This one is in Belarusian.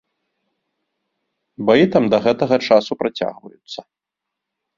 Баі там да гэтага часу працягваюцца.